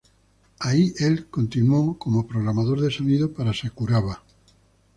Ahí, el continuó como programador de sonido para Sakuraba.